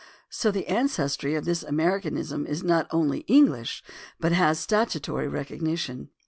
So the ancestry of this Americanism is not only old English, but has statutory recognition.